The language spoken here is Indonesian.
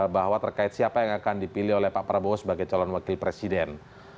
bahwa terkait siapa yang akan dipilih oleh pak prabowo sebagai calon wakil presiden